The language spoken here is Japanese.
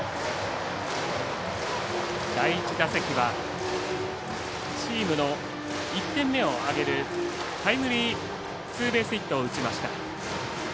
第１打席はチームの１点目を挙げるタイムリーツーベースヒットを打ちました。